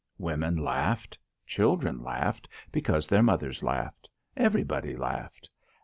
Women laughed; children laughed because their mothers laughed; everybody laughed.